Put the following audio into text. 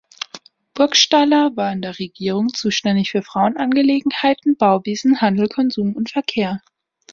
Burgstaller war in der Regierung zuständig für Frauenangelegenheiten, Bauwesen, Handel, Konsum und Verkehr.